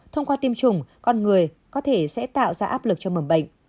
thông qua tiêm chủng con người có thể sẽ tạo ra áp lực cho mầm bệnh